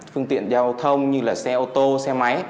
phương tiện giao thông như là xe ô tô xe máy